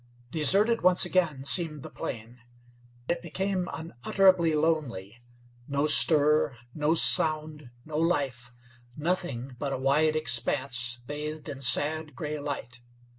Deserted once again seemed the plain. It became unutterably lonely. No stir, no sound, no life; nothing but a wide expanse bathed in sad, gray light.